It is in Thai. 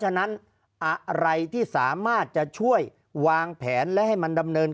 ฉะนั้นอะไรที่สามารถจะช่วยวางแผนและให้มันดำเนิน